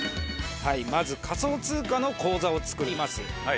まず仮想通貨の口座を作ります。